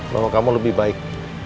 kalau kamu lebih baik